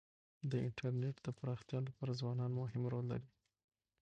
د انټرنيټ د پراختیا لپاره ځوانان مهم رول لري.